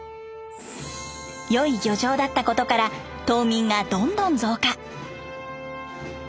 良い漁場だったことから島民がどんどん増加。